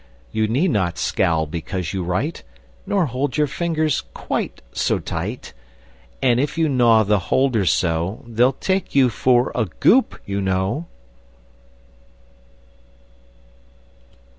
You need not scowl because you write, Nor hold your fingers quite so tight! And if you gnaw the holder so, They'll take you for a Goop, you know!